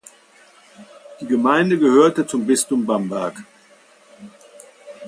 Die Gemeinde gehörte zum Bistum Bamberg.